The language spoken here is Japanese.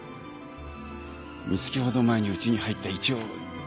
三月ほど前にうちに入った一応弟子ですわ。